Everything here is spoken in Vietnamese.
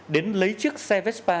đến lấy chiếc xe vespa